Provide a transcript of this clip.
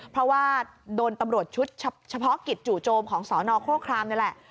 เพราะว่าโดนตำรวจชุดเฉพาะกิจจู่โจมของสนโครครามนี่แหละ